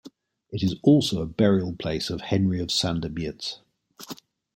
It is also a burial place of Henry of Sandomierz.